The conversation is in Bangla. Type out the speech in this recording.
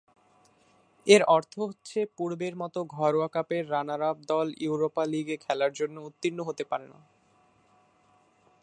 এর অর্থ হচ্ছে পূর্বের মতো ঘরোয়া কাপের রানার-আপ দল ইউরোপা লীগে খেলার জন্য উত্তীর্ণ হতে পারে না।